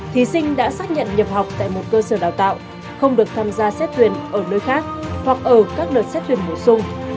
thí sinh đã xác nhận nhập học tại một cơ sở đào tạo không được tham gia xét tuyển ở nơi khác hoặc ở các đợt xét tuyển bổ sung